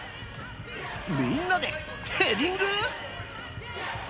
みんなでヘディング！？